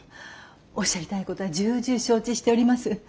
おっしゃりたいことは重々承知しております。